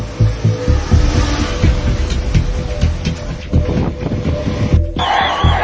สวัสดีครับ